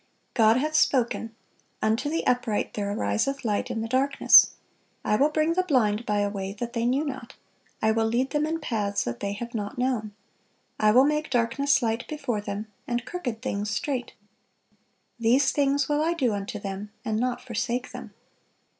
God hath spoken: "Unto the upright there ariseth light in the darkness." "I will bring the blind by a way that they knew not; I will lead them in paths that they have not known: I will make darkness light before them, and crooked things straight. These things will I do unto them, and not forsake them."